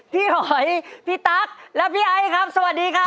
หอยพี่ตั๊กและพี่ไอ้ครับสวัสดีครับ